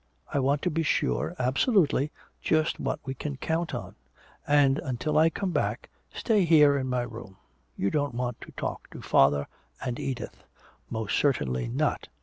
I want to be sure, absolutely, just what we can count on. And until I come back, stay here in my room. You don't want to talk to father and Edith " "Most certainly not!"